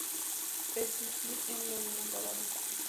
Persistir en lo inacabado.